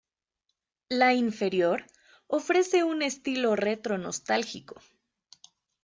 La inferior, ofrece un estilo retro nostálgico.